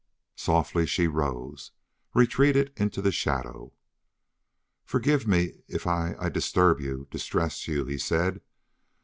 Softly she rose, retreating into the shadow. "Forgive me if I I disturb you, distress you," he said.